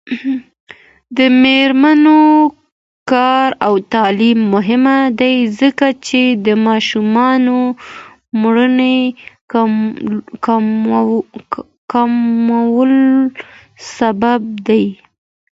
د میرمنو کار او تعلیم مهم دی ځکه چې ماشومانو مړینې کمولو سبب دی.